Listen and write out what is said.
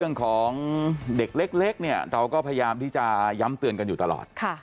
เรื่องของเด็กเล็กเนี่ยเราก็พยายามที่จะย้ำเตือนกันอยู่ตลอด